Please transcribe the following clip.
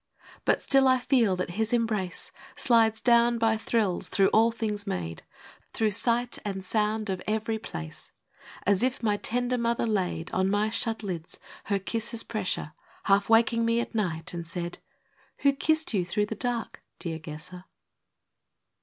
But still I feel that His embrace Slides down, by thrills, through all things made, Through sight and sound of every place, v. As if my tender mother laid On my shut lids, her kisses' pressure, Half waking me at night; and said, " Who kissed you through the dark, dear guesser?